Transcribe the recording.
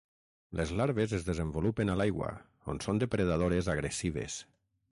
Les larves es desenvolupen a l'aigua on són depredadores agressives.